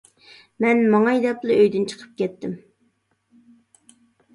مەن ماڭاي دەپلا ئۆيدىن چىقىپ كەتتىم.